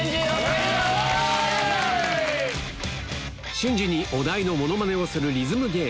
瞬時にお題のモノマネをするリズムゲーム